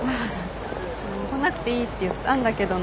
来なくていいって言ったんだけどね。